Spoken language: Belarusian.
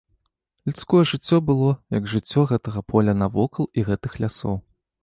Людское жыццё было, як жыццё гэтага поля навокал і гэтых лясоў.